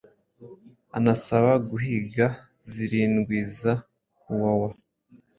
anasaba guhiga zirindwiza Huwawa